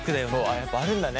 やっぱあるんだね。